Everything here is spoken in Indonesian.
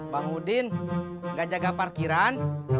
bang udin enggak jaga parkiran